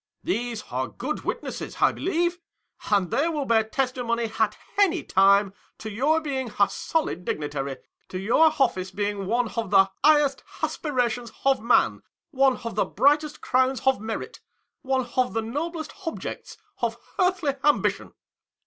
These are good witnesses, I believe, and they will bear testimony at any time to your being a solid dignitary, to your office being one of the highest aspi rations of man, one of the brightest crowns of merit, one of the noblest objects of earthly ambition.